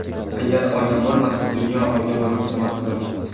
• Agar oyna bo‘lmasa, dunyo oyna bo‘lib xizmat qiladi.